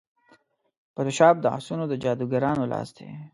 فوټوشاپ د عکسونو د جادوګرانو لاس دی.